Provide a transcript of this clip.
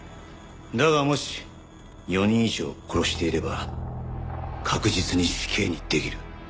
だがもし４人以上殺していれば確実に死刑にできる。